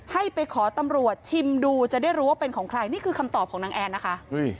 ให้ไปขอตำรวจชิมดูจะได้รู้ว่าเป็นของใครนี่คือคำตอบของนางแอนนะคะ